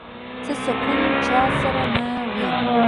څه سکون چا سره نه وي